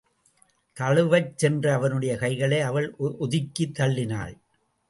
தழுவச் சென்ற அவனுடைய கைகளை அவள் ஒதுக்கித் தள்ளினாள்.